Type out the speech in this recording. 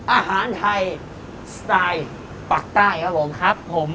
อาหารไทยสไตล์ปากใต้ครับผม